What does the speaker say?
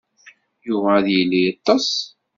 Yuba ad yili yeṭṭes.